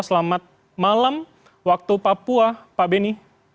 selamat malam waktu papua pak beni